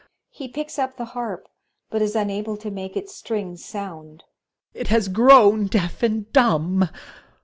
[He picks up the harp, bid is unable to make its strings sound] It has grown deaf and dumb!